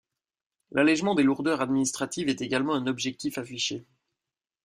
L'allègement des lourdeurs administrative est également un objectif affiché.